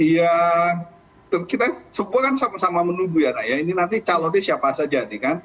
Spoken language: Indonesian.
ya kita semua kan sama sama menunggu ya ini nanti calonnya siapa saja